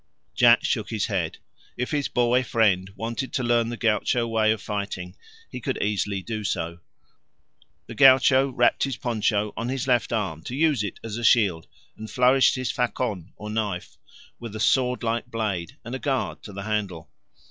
Jack shook his head. If his boy friend wanted to learn the gaucho way of fighting he could easily do so. The gaucho wrapped his poncho on his left arm to use it as a shield, and flourished his facon, or knife with a sword like blade and a guard to the handle.